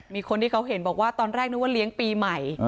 มีคนที่เขาเห็นบอกว่าตอนแรกนึกว่าเลี้ยงปีใหม่